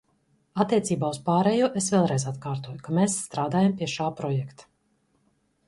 Attiecībā uz pārējo es vēlreiz atkārtoju, ka mēs strādājam pie šā projekta.